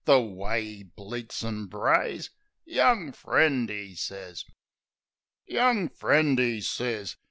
The way 'e bleats an' brays! "Young friend," 'e sez. "Young friend," 'e sez .